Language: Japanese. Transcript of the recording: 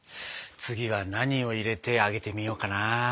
次は何を入れて揚げてみようかな。